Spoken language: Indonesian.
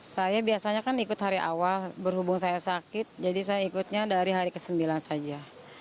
saya biasanya kan ikut hari awal berhubung saya sakit jadi saya ikutnya dari hari ke sembilan saja